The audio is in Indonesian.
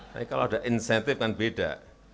tapi kalau ada insentif kan beda